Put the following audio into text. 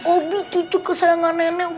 obi cucuk kesayangan nenek